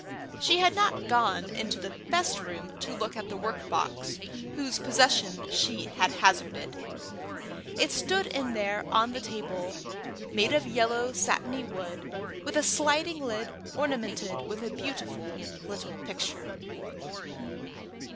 She had not gone into the best room to look at the work box whose possession she had hazarded. It stood in there on the table, made of yellow satiny wood, with a sliding lid ornamented with a beautiful little picture.